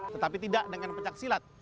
tetapi tidak dengan pencaksilat